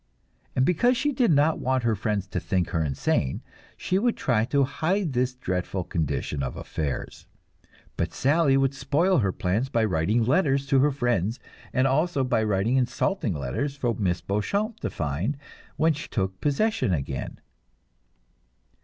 And because she did not want her friends to think her insane, she would try to hide this dreadful condition of affairs; but Sally would spoil her plans by writing letters to her friends, and also by writing insulting letters for Miss Beauchamp to find when she took possession again.